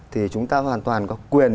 thì chúng ta hoàn toàn có quyền